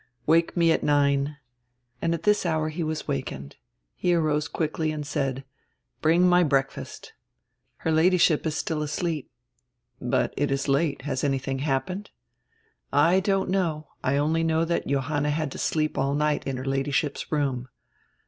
"Wake me at nine." And at this hour he was wakened. He arose quickly and said: "Bring my breakfast." "Her Ladyship is still asleep." "But it is late. Has anything happened? " "I don't know. I only know that Johanna had to sleep all night in her Ladyship's room."